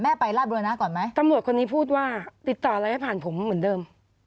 ไปราชบุรณะก่อนไหมตำรวจคนนี้พูดว่าติดต่ออะไรให้ผ่านผมเหมือนเดิม